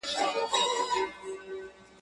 د قاضي مخي ته ټول حاضرېدله.